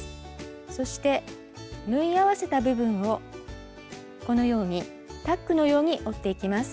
そして縫い合わせた部分をこのようにタックのように折っていきます。